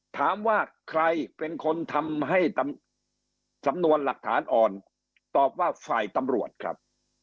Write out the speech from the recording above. ถามว่าใครเป็นคนทำให้สำนวนหลักฐานอ่อนตอบว่าฝ่ายตำรวจครับ